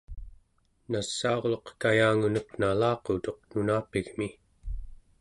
nasaurluq kayangunek nalaqutuq nunapigmi